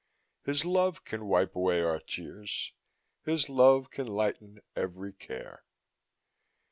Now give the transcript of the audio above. His love can wipe away our tears, His love can lighten every care.